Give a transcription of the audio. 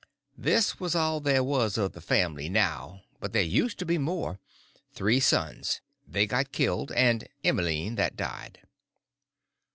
This was all there was of the family now, but there used to be more—three sons; they got killed; and Emmeline that died.